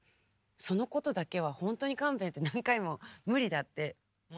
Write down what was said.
そのことだけは本当に勘弁って何回も無理だって申し上げてたのね。